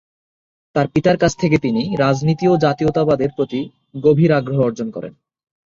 তার পিতার কাছ থেকে তিনি রাজনীতি ও জাতীয়তাবাদের প্রতি গভীর আগ্রহ অর্জন করেন।